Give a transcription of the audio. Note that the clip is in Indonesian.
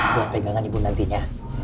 buat pinggangan ibu nantinya